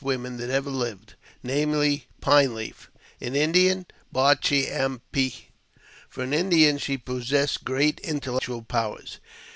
women that ever lived, namely, Pine Leaf — in Indian, Bar chee am pe. For an Indian, she possessed great intellectual powers.